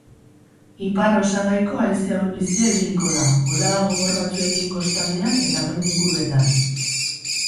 Ipar-osagaiko haize ahul-bizia ibiliko da, bolada gogor batzuekin kostaldean eta mendi inguruetan.